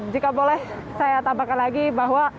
jika boleh saya tambahkan lagi bahwa